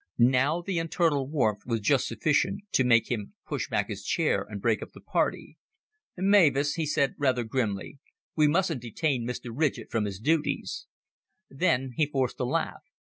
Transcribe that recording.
Now the internal warmth was just sufficient to make him push back his chair and break up the party. "Mavis," he said, rather grimly, "we mustn't detain Mr. Ridgett from his duties." Then he forced a laugh.